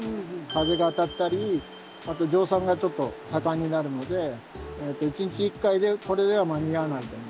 風が当たったりあと蒸散がちょっと盛んになるので１日１回でこれでは間に合わない。